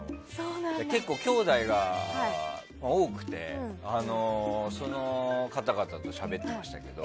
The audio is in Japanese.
結構、きょうだいが多くてその方々としゃべっていましたけども。